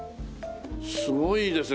すごいですね。